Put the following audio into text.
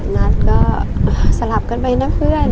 นัทก็สลับกันไปนะเพื่อน